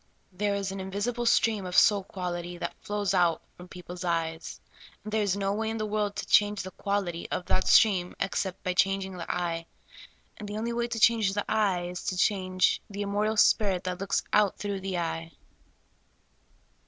There is an invivsible stream of soul quality that flows out from people's eyes, and there is no way in the world to change the quality of that stream except by changing the eye, and the only way to change the eye is to change the immortal spirit that looks out through the eye.